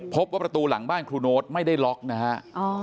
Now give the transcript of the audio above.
พบว่าประตูหลังบ้านครูโน๊ตไม่ได้ล็อกนะฮะ